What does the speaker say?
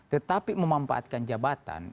tetapi memanfaatkan jabatan